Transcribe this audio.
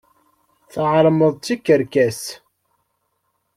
Tɛelmeḍ d tikerkas.